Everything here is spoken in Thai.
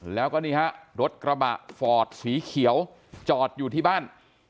แล้วก็นี่ฮะรถกระบะฟอร์ดสีเขียวจอดอยู่ที่บ้าน